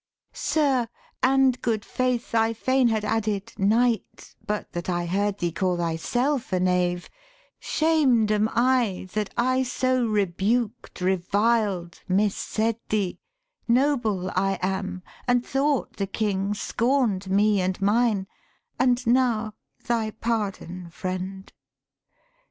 'Sir and, good faith, I fain had added Knight, But that I heard thee call thyself a knave, Shamed am I that I so rebuked, reviled, Missaid thee; noble I am; and thought the King Scorn 'd me and mine; and now thy pardon, friend.'